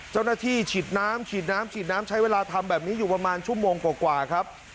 เจ้าหน้าที่ฉีดน้ำฉีดน้ำฉีดน้ำใช้เวลาทำแบบนี้อยู่ประมาณชั่วโมงกว่าครับ